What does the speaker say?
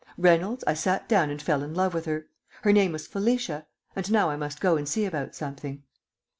Reynolds, I sat down and fell in love with her. Her name was Felicia. And now I must go and see about something.